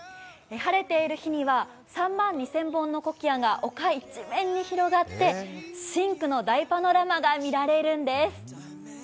晴れている日には３万２０００本のコキアが丘一面に広がって、深紅の大パノラマが見られるんです。